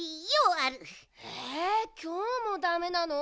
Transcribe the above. えきょうもダメなの？